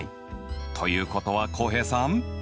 ということは浩平さん？